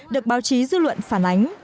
được báo chí dư luận phản ánh